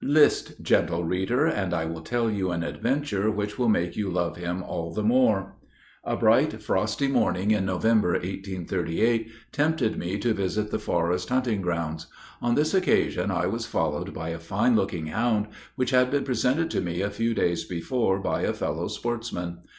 List, gentle reader, and I will tell you an adventure which will make you love him all the more. A bright, frosty morning in November, 1838, tempted me to visit the forest hunting grounds. On this occasion, I was followed by a fine looking hound, which had been presented to me a few days before by a fellow sportsman.